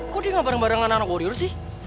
kok dia gak bareng barengan anak warrior sih